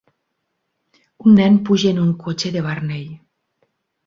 Un nen puja en un cotxe de Barney.